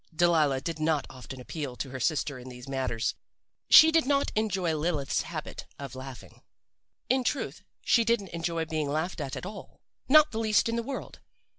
"Delilah did not often appeal to her sister in these matters. She did not enjoy Lilith's habit of laughing. In truth, she didn't enjoy being laughed at at all not the least in the world.